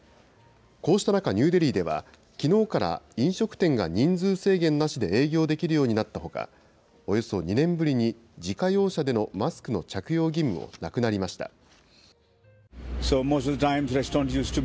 こうした中、ニューデリーでは、きのうから、飲食店が人数制限なしで営業できるようになったほか、およそ２年ぶりに自家用車でのマスクの着用義務もなくなりました。